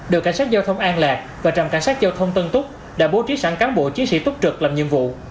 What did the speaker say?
đội cảnh sát giao thông an lạc và trạm cảnh sát giao thông tân túc đã bố trí sẵn cán bộ chiến sĩ túc trực làm nhiệm vụ